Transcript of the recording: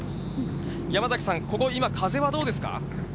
山崎さん、ここ、今、風はどうですか？